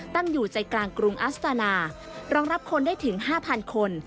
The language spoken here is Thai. ตั้งอยู่ใจกลางกรุงอัสตานารองรับคนได้ถึง๕๐๐คน